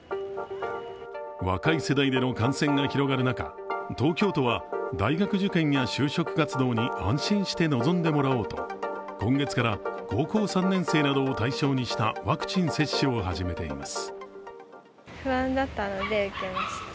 若い世代での感染が広がる中、東京都は大学受験や就職活動に安心して臨んでもらおうと今月から高校３年生などを対象にしたワクチン接種を始めています。